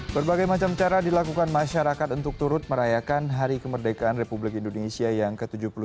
berbagai macam cara dilakukan masyarakat untuk turut merayakan hari kemerdekaan republik indonesia yang ke tujuh puluh tiga